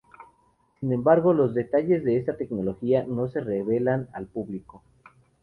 Sin embargo, los detalles de esta tecnología no se revelan al público.